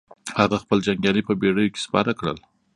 هغه خپل جنګيالي په بېړيو کې سپاره کړل.